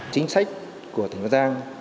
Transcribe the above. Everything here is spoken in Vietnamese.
chính sách của tỉnh bắc giang